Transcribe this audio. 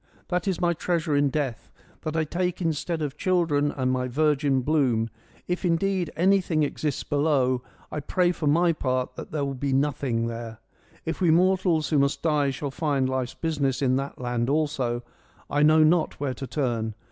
That is my treasure in death : that I take instead of children and my virgin bloom ; if indeed anything exists below. I pray for my part that there be nothing there : if we mortals who must die shall find life's business in that land also, I know not where to turn.